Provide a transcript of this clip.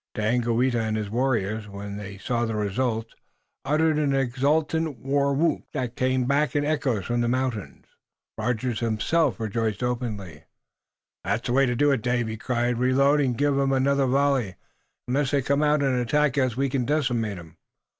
Daganoweda and his warriors, when they saw the result, uttered an exultant war whoop that came back in echoes from the mountains. Rogers himself rejoiced openly. "That's the way to do it, Dave!" he cried. "Reload and give 'em another volley. Unless they come out and attack us we can decimate 'em."